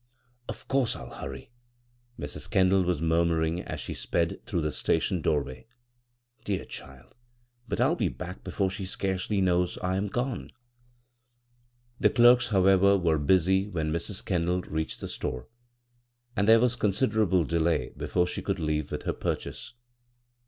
Of course I'll hurry," Mrs. Kendall was murmuring, as she sped through the station _iv, Goog[c CROSS CURRENT docMiray. " Dear child I but I'll be back be fore she scarcely knows I am gone" The clef ks, however, were busy when Mrs. Kendall reached the store, and there was con siderable delay before she could leave with iier purdiase.